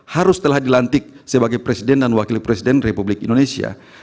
harus telah dilantik sebagai presiden dan wakil presiden republik indonesia